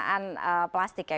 penggunaan plastik ya